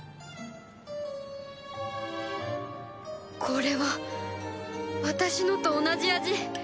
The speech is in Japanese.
これは私のと同じ味